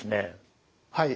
はい。